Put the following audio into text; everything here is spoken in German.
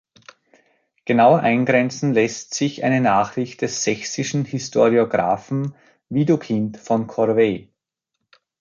Genauer eingrenzen lässt sich eine Nachricht des sächsischen Historiographen Widukind von Corvey.